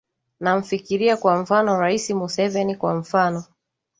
namfikiria kwa mfano rais museveni kwa mfano